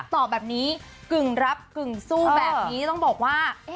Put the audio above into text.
ตอบแบบนี้กึ่งรับกึ่งสู้แบบนี้ต้องบอกว่า